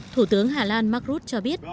thủ tướng hà lan mark rutte cho biết